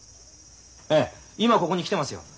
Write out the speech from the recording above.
ええ今ここに来てますよ。